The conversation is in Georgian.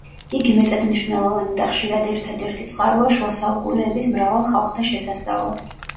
იგი მეტად მნიშვნელოვანი და ხშირად ერთადერთი წყაროა შუა საუკუნეების მრავალ ხალხთა შესასწავლად.